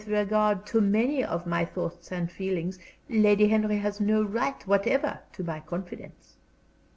With regard to many of my thoughts and feelings, Lady Henry has no right whatever to my confidence."